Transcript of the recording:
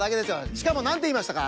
しかもなんていいましたか？